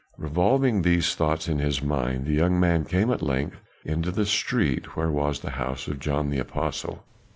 Revolving these thoughts in his mind, the young man came at length into the street where was the house of John the apostle.